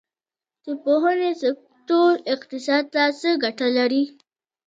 د پوهنې سکتور اقتصاد ته څه ګټه لري؟